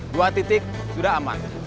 dua titik sudah aman